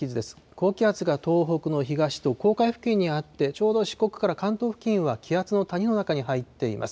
高気圧が東北の東と黄海付近にあって、ちょうど四国から関東付近は気圧の谷の中に入っています。